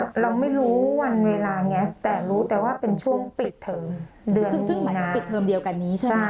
อันนั้นเราไม่รู้วันเวลาเนี่ยแต่รู้แต่ว่าเป็นช่วงปิดเทิมเดือนมีนา